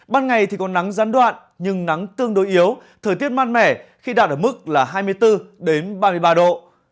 ban ngày thì có nắng gián đoạn nhưng nắng tương đối yếu thời tiết mát mẻ khi đạt ở mức là hai mươi bốn ba mươi ba độ